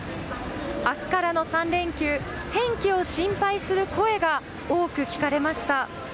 明日からの３連休天気を心配する声が多く聞かれました。